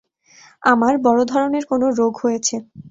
আমার বড় ধরনের কোন রোগ হয়েছে।